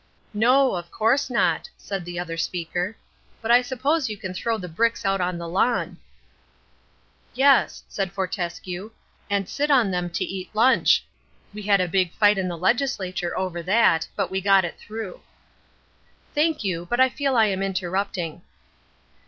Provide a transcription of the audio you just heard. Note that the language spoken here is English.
"No, of course not," said the other speaker. "But I suppose you can throw the bricks out on the lawn." "Yes," said Fortescue, "and sit on them to eat lunch. We had a big fight in the legislature over that, but we got it through." "Thank you, but I feel I am interrupting."